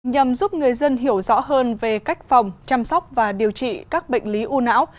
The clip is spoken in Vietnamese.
nhằm giúp người dân hiểu rõ hơn về cách phòng chăm sóc và điều trị các bệnh lý u não